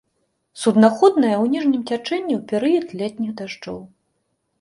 Суднаходная ў ніжнім цячэнні ў перыяд летніх дажджоў.